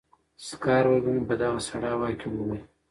سکاروی به مې په دغه سړه هوا کې ووهي.